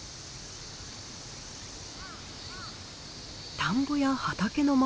田んぼや畑の周り